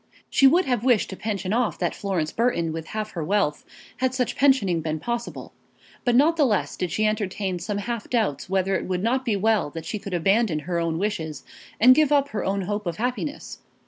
She would have wished to pension off that Florence Burton with half her wealth, had such pensioning been possible. But not the less did she entertain some half doubts whether it would not be well that she could abandon her own wishes, and give up her own hope of happiness.